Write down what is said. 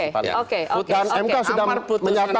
amar putusan mk tidak ada menyatakan